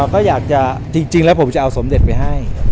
ก็อยากจะจริงแล้วผมจะเอาสมเด็จไปให้